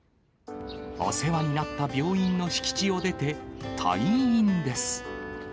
お世話になった病院の敷地を出て、退院です。